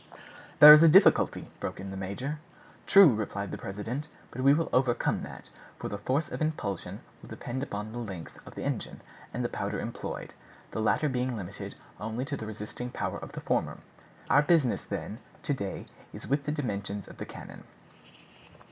"There's the difficulty," broke in the major. "True," replied the president; "but we will overcome that, for the force of impulsion will depend on the length of the engine and the powder employed, the latter being limited only by the resisting power of the former. Our business, then, to day is with the dimensions of the cannon."